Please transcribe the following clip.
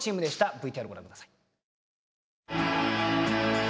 ＶＴＲご覧下さい。